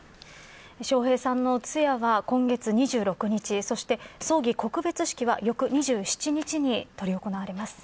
笑瓶さんの通夜は今月２６日葬儀告別式は翌２７日に執り行われます。